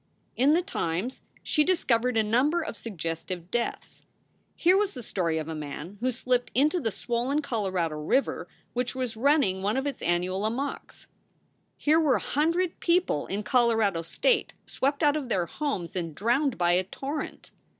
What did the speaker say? In the Times she discovered a number of suggestive deaths. Here was the story of a man who slipped into the swollen Colorado River, which was running one of its annual amoks. Here were a hundred people in Colorado State swept out of their homes and drowned by a torrent.